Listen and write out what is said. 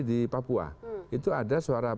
di papua itu ada suara